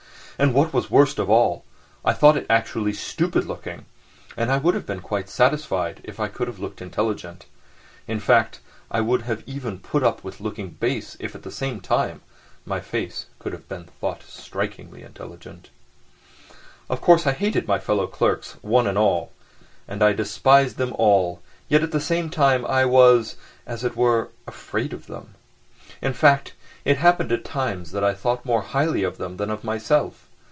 And what was worst of all, I thought it actually stupid looking, and I would have been quite satisfied if I could have looked intelligent. In fact, I would even have put up with looking base if, at the same time, my face could have been thought strikingly intelligent. Of course, I hated my fellow clerks one and all, and I despised them all, yet at the same time I was, as it were, afraid of them. In fact, it happened at times that I thought more highly of them than of myself.